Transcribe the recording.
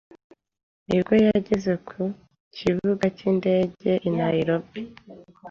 nibwo yageze ku kibuga cy'indege i Nairobi,